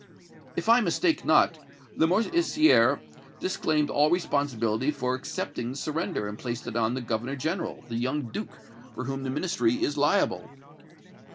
"If I mistake not, Lamoricière disclaimed all responsibility for accepting the surrender, and placed it on the Governor General, the young Duke, for whom the Ministry is liable?"